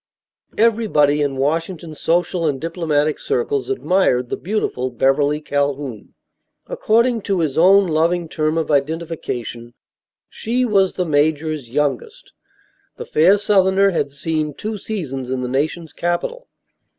Everybody in Washington's social and diplomatic circles admired the beautiful Beverly Calhoun. According to his own loving term of identification, she was the major's "youngest." The fair southerner had seen two seasons in the nation's capital.